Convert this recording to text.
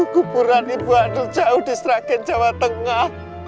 kuburan ibu adul jauh di seragam jawa tengah